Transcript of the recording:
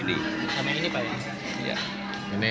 ini satu sama ini